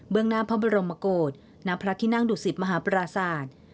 งหน้าพระบรมโกศณพระที่นั่งดุสิตมหาปราศาสตร์